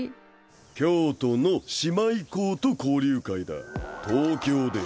京都の姉妹校と交流会だ東京で。